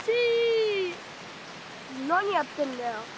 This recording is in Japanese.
何やってんだよ？